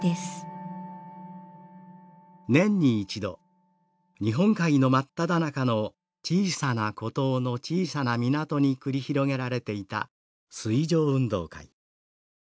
「年に一度日本海の真っただ中の小さな孤島の小さな港に繰り広げられていた水上運動会。